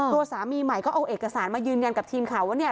ตัวสามีใหม่ก็เอาเอกสารมายืนยันกับทีมข่าวว่าเนี่ย